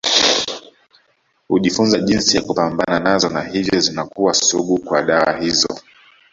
Hujifunza jinsi ya kupambana nazo na hivyo zinakuwa sugu kwa dawa hizo